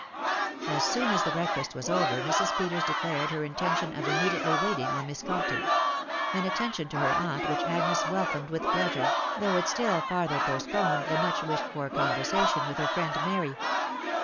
As soon as the breakfast was over Mrs. Peters declared her intention of immediately waiting on Miss Compton ; an at tention to her aunt which Agnes welcomed with pleasure, though it still farther postponed the much wished for con versation with her friend Mary.